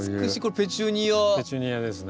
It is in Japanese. ペチュニアですね。